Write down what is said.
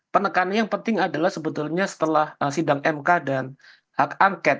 penekannya yang penting adalah sebetulnya setelah sidang mk dan hak angket